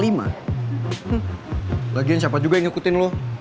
lagian siapa juga yang ikutin lo